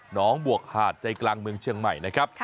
น้องบวกหาดใจกลางเมืองเชียงใหม่นะครับ